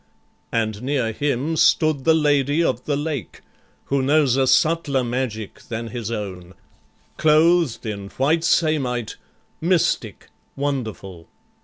"And near him stood the Lady of the Lake, Who knows a subtler magic than his own Clothed in white samite, mystic, wonderful.